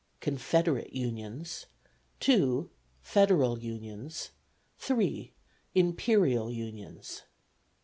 Confederate unions. 2. Federal unions. 3. Imperial unions.